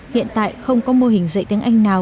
hiện tại không có mô hình dạy tiếng anh nào